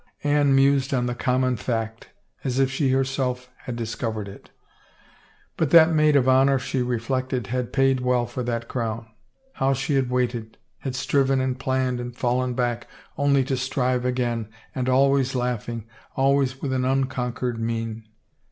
Anne mused on the common fact, as if she herself had discov ered it. ... But that maid of honor, she reflected, had paid well for that crown. How she had waited, had striven and planned and fallen back only to strive again — and always laughing, always with an unconquered mien.